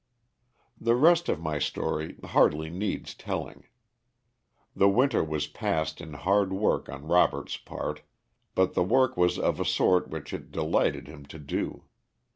The rest of my story hardly needs telling. The winter was passed in hard work on Robert's part, but the work was of a sort which it delighted him to do.